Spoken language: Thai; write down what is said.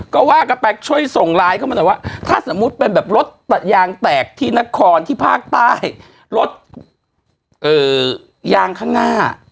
ก็ว่ากันไปช่วยส่งไลน์เข้ามาหน่อยว่าถ้าสมมุติเป็นแบบรถยางแตกที่นครที่ภาคใต้รถยางข้างหน้า